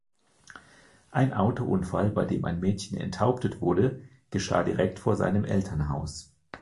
Ein Autounfall, bei dem ein Mädchen enthauptet wurde, geschah direkt vor seinem Elternhaus.